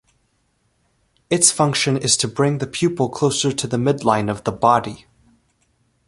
Its function is to bring the pupil closer to the midline of the body.